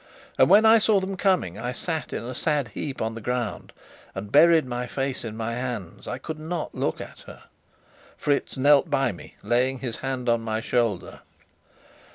And when I saw them coming, I sat in a sad heap on the ground, and buried my face in my hands. I could not look at her. Fritz knelt by me, laying his hand on my shoulder.